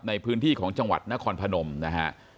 ในพื้นที่ของจังหวัดนครพนมนะฮะ